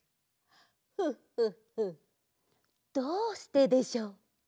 フッフッフッどうしてでしょう？